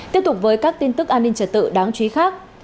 tiếp tục với các tin tức an ninh trở tự đáng chú ý khác